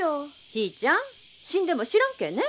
ヒーちゃん死んでも知らんけえね。